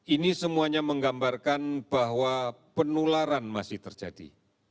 ini semuanya menggambarkan bahwa penularan masih terjadi